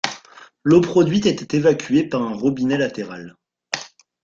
L'eau produite était évacuée par un robinet latéral.